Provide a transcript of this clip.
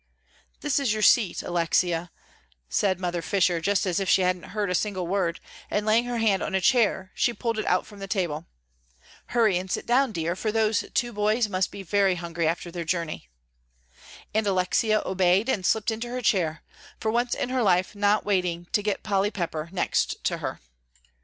"This is your seat, Alexia," said Mother Fisher, just as if she hadn't heard a single word, and laying her hand on a chair, she pulled it out from the table; "hurry and sit down, dear, for those two boys must be very hungry after their journey," and Alexia obeyed and slipped into her chair, for once in her life not waiting to get Polly Pepper next to her.